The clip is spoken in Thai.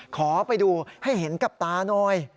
ขอไปดูให้เห็นกับตาหน่อย